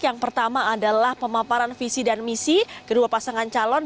yang pertama adalah pemaparan visi dan misi kedua pasangan calon